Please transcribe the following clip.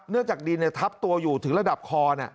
เนื่องจากดีทับตัวอยู่ถึงระดับคอ